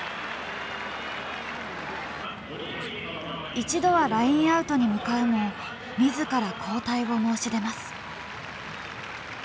一度はラインアウトに向かうも自ら交代を申し出ます。